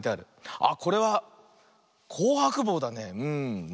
あっこれは「こうはくぼう」だね。